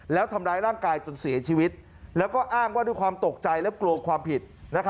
แล้วทำร้ายร่างกายจนเสียชีวิตแล้วก็อ้างว่าด้วยความตกใจและกลัวความผิด